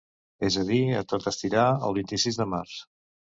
És a dir, a tot estirar el vint-i-sis de març.